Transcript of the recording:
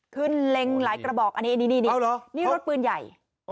เล็งหลายกระบอกอันนี้นี่รถปืนใหญ่